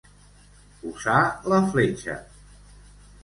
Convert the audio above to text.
Posar la fletxa.